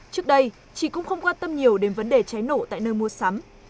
trước đây chị cũng không quan tâm nhiều đến vấn đề cháy nổ tại nơi mua sắm